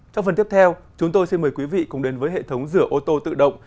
trong phần tiếp theo chúng tôi xin mời quý vị cùng đến với hệ thống rửa ô tô tự động